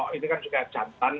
oke kalau ini kan juga jantan